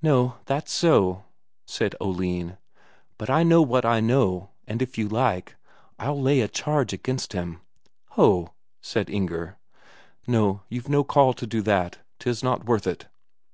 "No, that's so," said Oline. "But I know what I know, and if you like, I'll lay a charge against him." "Ho!" said Inger. "No, you've no call to do that. Tis not worth it."